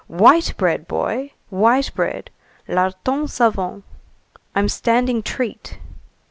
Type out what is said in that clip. "White bread, boy! white bread [larton savonné]! I'm standing treat."